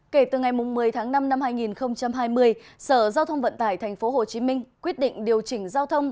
kể từ ngày một mươi tháng năm năm hai nghìn hai mươi sở giao thông vận tải tp hcm quyết định điều chỉnh giao thông